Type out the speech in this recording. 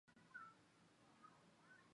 卡赫和布拉瑟姆合并而来。